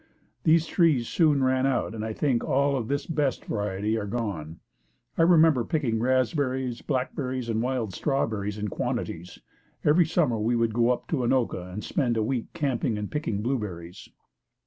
These trees soon ran out and I think all of this best variety are gone. I remember picking raspberries, blackberries and wild strawberries in quantities. Every summer we would go up to Anoka and spend a week camping and picking blueberries.